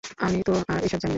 আমি তো আর এসব জানি না।